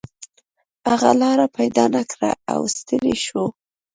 هغه لاره پیدا نه کړه او ستړی شو.